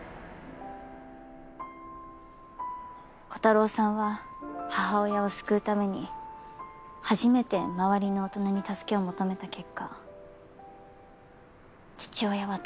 コタローさんは母親を救うために初めて周りの大人に助けを求めた結果父親は逮捕された。